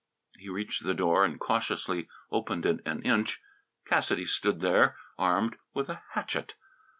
He reached the door and cautiously opened it an inch. Cassidy stood there, armed with a hatchet.